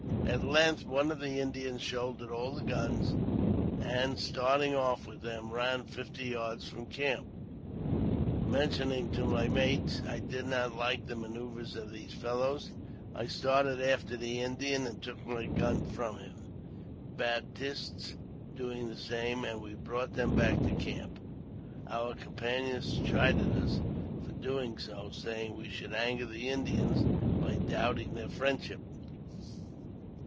At length one of the Indians shouldered all the guns, and, starting off with them, ran fifty yards from camp. Mentioning to my mates I did not like the manoeuvres of these fellows, I started after the Indian and took my gun from him, Baptiste doing the same, and we brought them back to camp. Our companions chided us for JAMES P. BECKWOVBTH. 7l doing so, saying we should anger the Indians by doubting their friendship.